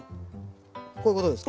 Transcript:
こういうことですか？